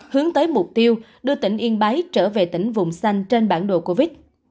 hướng tới mục tiêu đưa tỉnh yên bái trở về tỉnh vùng xanh trên bản đồ covid